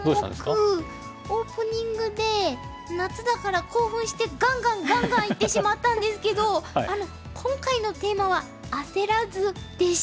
コモクオープニングで夏だから興奮してガンガンガンガンいってしまったんですけど今回のテーマは「あせらず」でした。